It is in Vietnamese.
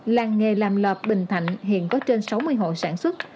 làng nghề làm lợp bình thạnh hiện có trên sáu mươi hộ sản xuất